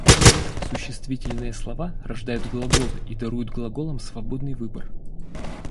Существительные слова рождают глаголы и даруют глаголам свободный выбор.